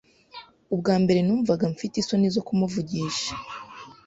Ubwa mbere numvaga mfite isoni zo kumuvugisha.